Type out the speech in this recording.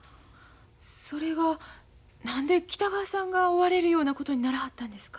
それが何で北川さんが追われるようなことにならはったんですか？